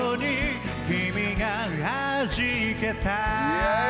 イエーイ！